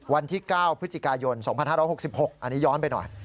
วันที่๙พฤศจิกายน๒๕๖๖อันนี้ย้อนไปหน่อย